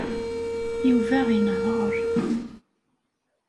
Yuba inehheṛ.